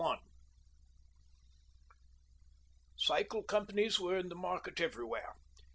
XimiteD" Cycle companies were in the market everywhere.